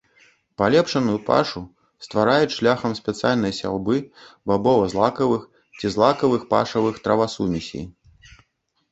Палепшаную пашу ствараюць шляхам спецыяльнай сяўбы бабова-злакавых ці злакавых пашавых травасумесей.